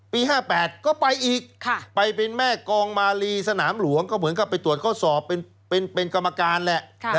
๕๘ก็ไปอีกไปเป็นแม่กองมาลีสนามหลวงก็เหมือนกับไปตรวจข้อสอบเป็นกรรมการแหละ